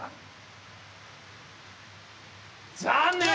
残念。